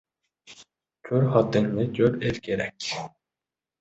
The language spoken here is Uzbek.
• Ko‘r xotinga ko‘r er kerak.